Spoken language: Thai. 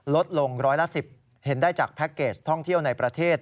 ลดลงร้อยละ๑๐เห็นได้จากแพ็คเกจท่องเที่ยวในประเทศ